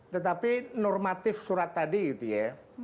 tetapi normatif surat tadi gitu ya